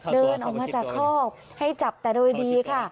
เดินออกมาจากคอกให้จับแต่โดยดีค่ะ